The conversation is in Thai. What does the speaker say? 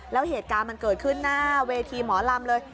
แล้วเหตุการณ์มันเกิดขึ้นหน้าเวทีหมอลำเลย